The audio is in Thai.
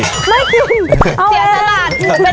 ไม่ขิน